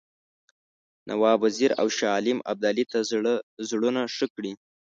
نواب وزیر او شاه عالم ابدالي ته زړونه ښه کړي.